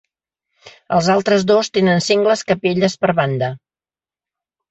Els altres dos tenen sengles capelles per banda.